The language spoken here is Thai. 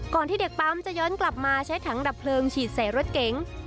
ที่เด็กปั๊มจะย้อนกลับมาใช้ถังดับเพลิงฉีดใส่รถเก๋ง